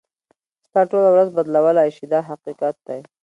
ستا ټوله ورځ بدلولای شي دا حقیقت دی.